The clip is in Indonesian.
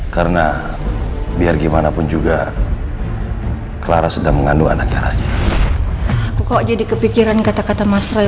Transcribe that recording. karena biar gimana pun juga clara sudah mengandung anaknya raja kok jadi kepikiran kata kata mas rai